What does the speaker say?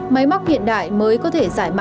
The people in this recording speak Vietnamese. máy móc hiện đại mới có thể giải mã